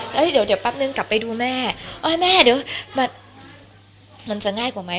เดี๋ยวปั๊บหนึ่งกลับไปดูแม่มันจะง่ายกว่าไหม